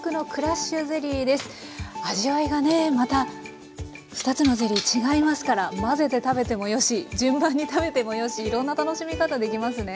味わいがねまた２つのゼリー違いますから混ぜて食べてもよし順番に食べてもよしいろんな楽しみ方できますね。